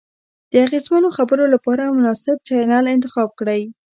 د اغیزمنو خبرو لپاره مناسب چینل انتخاب کړئ.